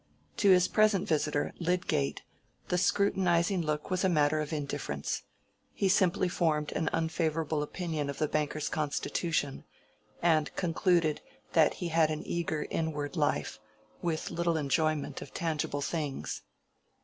To his present visitor, Lydgate, the scrutinizing look was a matter of indifference: he simply formed an unfavorable opinion of the banker's constitution, and concluded that he had an eager inward life with little enjoyment of tangible things.